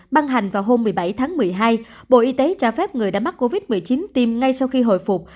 băng hành vào hôm một mươi bảy tháng một mươi hai bộ y tế cho phép người đã mắc covid một mươi chín tiêm ngay sau khi hồi phục